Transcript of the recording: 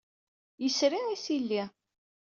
Yesri isili.